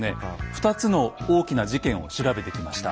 ２つの大きな事件を調べてきました。